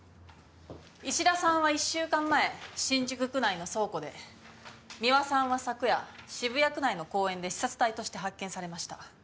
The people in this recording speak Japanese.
衣氏田さんは１週間前新宿区内の倉庫で美和さんは昨夜渋谷区内の公園で刺殺体として発見されました。